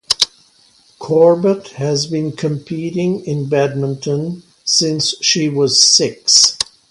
Corbett has been competing in badminton since she was six.